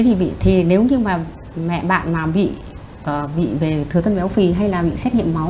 thì nếu như mà mẹ bạn mà bị về thừa cân béo phì hay là bị xét nghiệm máu